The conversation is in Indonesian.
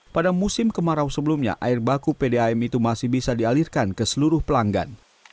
pada musim kemarau sebelumnya air baku pdam itu masih bisa dialirkan ke seluruh pelanggan